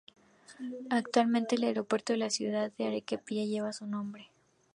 Actualmente el Aeropuerto de la ciudad de Arequipa lleva su nombre.